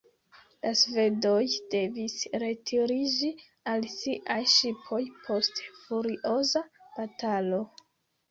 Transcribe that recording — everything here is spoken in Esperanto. La svedoj devis retiriĝi al siaj ŝipoj post furioza batalo.